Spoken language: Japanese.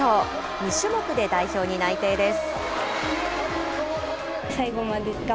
２種目で代表に内定です。